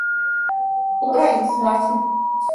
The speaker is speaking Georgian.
უკრაინის მართლმადიდებელი ეკლესიის მთავარი საკათედრო ტაძარი.